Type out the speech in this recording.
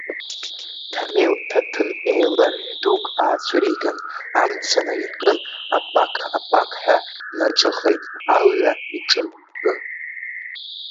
Ҭамел ҭаҭын еиларҳә дук аацәыриган, амца наиркын, апак-апакҳәа днаҿыхеит, алҩа иҿырббы.